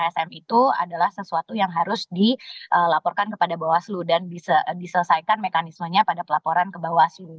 sm itu adalah sesuatu yang harus dilaporkan kepada bawaslu dan diselesaikan mekanismenya pada pelaporan ke bawaslu